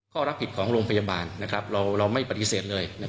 ข้อรับผิดของโรงพยาบาลนะครับเราเราไม่ปฏิเสธเลยนะครับ